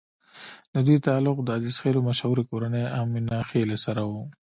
ددوي تعلق د عزيخېلو مشهورې کورنۍ اِمنه خېل سره وو